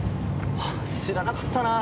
知らなかったなぁ。